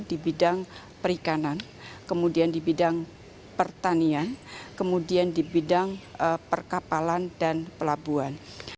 di bidang perikanan kemudian di bidang pertanian kemudian di bidang perkapalan dan pelabuhan